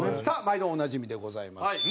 さあ毎度おなじみでございます。